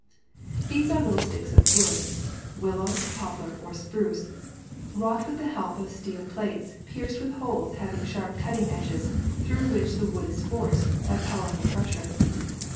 ^' These are little sticks of wood — willow, poplar, or spruce — wrought with the help of steel plates pierced with holes ha\TJig sharp cutting edges through which the wood is forced by powerful pres sure.